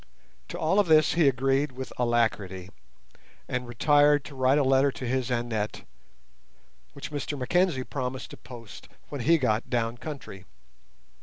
To all of this he agreed with alacrity, and retired to write a letter to his Annette, which Mr Mackenzie promised to post when he got down country.